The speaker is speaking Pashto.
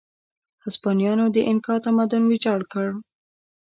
هسپانویانو د اینکا تمدن ویجاړ کړ.